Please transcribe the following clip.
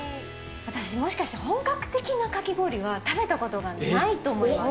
私もしかして本格的なかき氷は食べたことがないと思います。